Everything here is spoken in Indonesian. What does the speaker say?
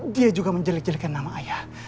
dia juga menjelek jelekkan nama ayah